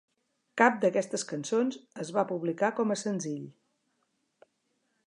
Cap d'aquestes cançons es va publicar com a senzill.